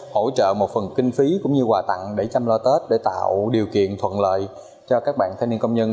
hỗ trợ một phần kinh phí cũng như quà tặng để chăm lo tết để tạo điều kiện thuận lợi cho các bạn thanh niên công nhân